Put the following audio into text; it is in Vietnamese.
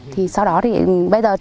thì sau đó thì bây giờ